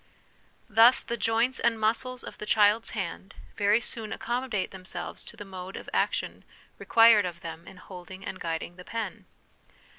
Thus, the joints and muscles of the child's hand very soon accommodate themselves to the mode of action required of them in holding and guiding the pen.